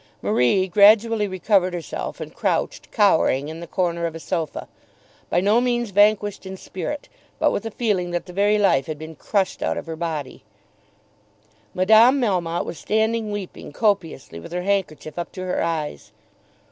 Marie gradually recovered herself, and crouched, cowering, in a corner of a sofa, by no means vanquished in spirit, but with a feeling that the very life had been crushed out of her body. Madame Melmotte was standing weeping copiously, with her handkerchief up to her eyes.